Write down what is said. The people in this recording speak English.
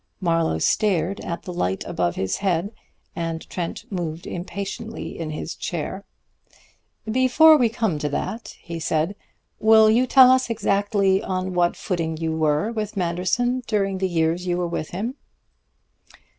Marlowe stared at the light above his head, and Trent moved impatiently in his chair. "Before we come to that," he said, "will you tell us exactly on what footing you were with Manderson during the years you were with him."